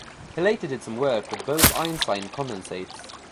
He later did some work with Bose-Einstein condensates.